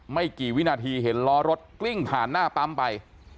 ไม่กี่วินาทีเห็นล้อรถกลิ้งผ่านหน้าปั๊มไป